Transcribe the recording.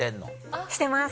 してます